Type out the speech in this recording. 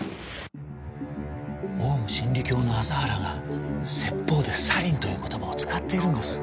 オウム真理教の麻原が説法でサリンという言葉を使っているんです。